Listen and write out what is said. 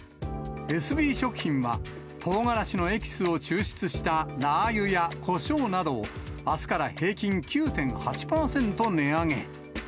エスビー食品は、トウガラシのエキスを抽出したラー油やコショーなどを、あすから平均９．８％値上げ。